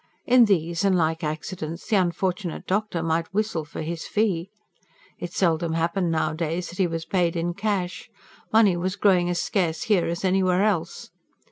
In these and like accidents the unfortunate doctor might whistle for his fee. It seldom happened nowadays that he was paid in cash. Money was growing as scarce here as anywhere else.